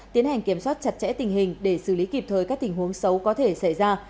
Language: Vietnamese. tiến hành kiểm soát chặt chẽ tình hình để xử lý kịp thời các tình huống xấu có thể xảy ra